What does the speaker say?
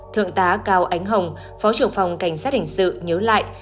thượng tá cao ánh hồng phó trưởng phòng cảnh sát hình sự nhớ lại